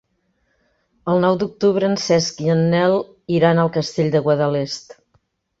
El nou d'octubre en Cesc i en Nel iran al Castell de Guadalest.